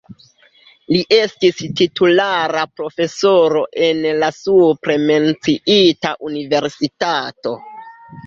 Li estis titulara profesoro en la supre menciita universitato.